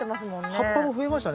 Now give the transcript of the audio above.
葉っぱも増えました。